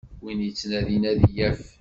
Win yettnadin ad yaf.